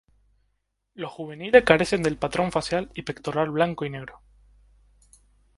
Los juveniles carecen del patrón facial y pectoral blanco y negro.